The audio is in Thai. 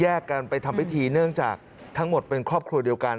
กันไปทำพิธีเนื่องจากทั้งหมดเป็นครอบครัวเดียวกัน